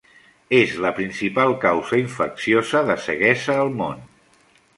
És la principal causa infecciosa de ceguesa al món.